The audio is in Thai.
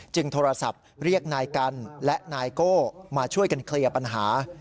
โทรศัพท์เรียกนายกันและนายโก้มาช่วยกันเคลียร์ปัญหา